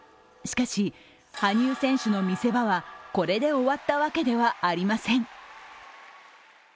しかし、羽生選手の見せ場は、これで終わったわけではありません。